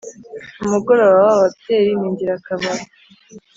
Umugoroba waba byeyi ningirakamaro